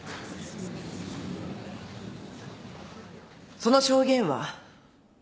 その証言は。